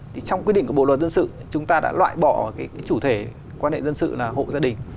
thì trong quyết định của bộ luật dân sự chúng ta đã loại bỏ cái chủ thể quan hệ dân sự là hộ gia đình